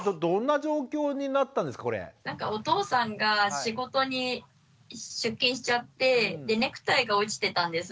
お父さんが仕事に出勤しちゃってネクタイが落ちてたんですね。